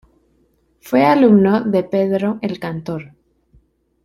Fue alumno de Pedro el Cantor.